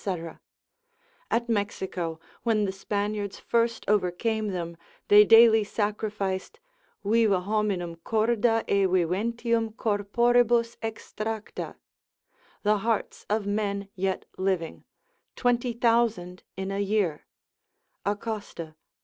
At Mexico, when the Spaniards first overcame them, they daily sacrificed viva hominum corda e viventium corporibus extracta, the hearts of men yet living, 20,000 in a year (Acosta lib.